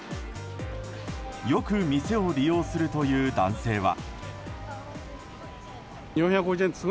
よく店を利用するという男性は。